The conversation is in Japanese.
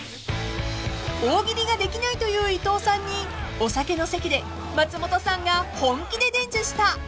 ［大喜利ができないという伊藤さんにお酒の席で松本さんが本気で伝授したアドバイスとは？］